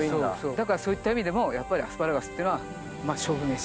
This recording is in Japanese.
だからそういった意味でもやっぱりアスパラガスっていうのは勝負メシ。